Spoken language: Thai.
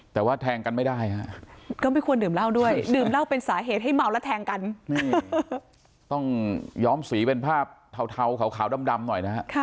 ต้องย้องสีเป็นภาพเทาขาวดำหน่อยนะ